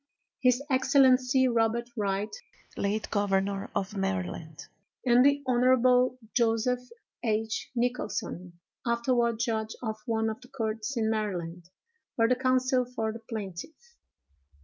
"His excellency Robert Wright, late governor of Maryland, and the Hon. Joseph H. Nicholson, afterward judge of one of the courts in Maryland, were the counsel for the plaintiff.